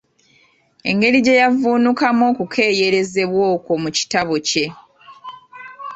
Engeri gye yavvuunukamu okukeeyerezebwa okwo mu kitabo kye.